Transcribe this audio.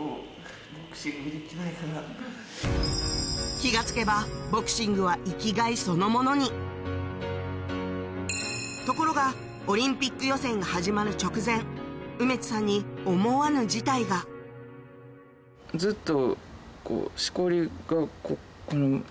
気が付けばボクシングは生きがいそのものにところがオリンピック予選が始まる直前梅津さんに思わぬ事態がずっと。